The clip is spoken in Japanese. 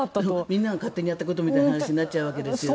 みんなが勝手にやったことみたいな話になっちゃうわけですよね。